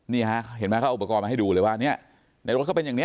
นี่เห็นไหมคะอุปกรณ์มาให้ดูเลยว่าในรถก็เป็นอย่างนี้